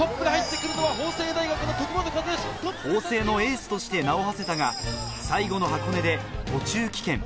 法政のエースとして名を馳せたが、最後の箱根で途中棄権。